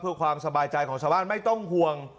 เพื่อความสบายใจของชาวบ้านไม่ต้องห่วง